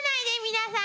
皆さん。